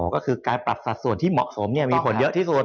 ก็คือการปรับสัดส่วนที่เหมาะสมมีผลเยอะที่สุด